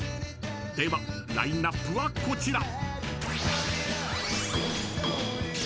［ではラインアップはこちら］